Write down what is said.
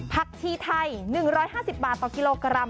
ผักชีไทย๑๕๐บาทต่อกิโลกรัม